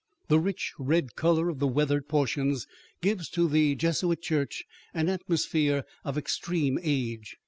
The rich red color of the weathered portions gives to the Jesuit Church an atmosphere of extreme age.